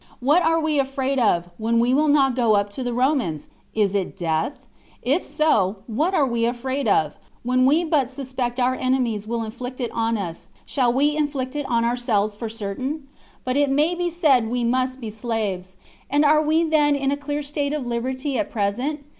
What are we afraid of, when we will not go up to the Romans? Is it death? If so, what we are afraid of, when we but suspect our enemies will inflict it on us, shall we inflict it on ourselves for certain? But it may be said we must be slaves. And are we then in a clear state of liberty at present?